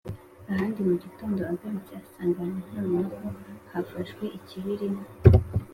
Ahandi mu gitondo agarutse asanga noneho hafashwe ikibirima